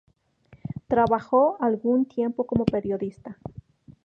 Trabajó algún tiempo como periodista.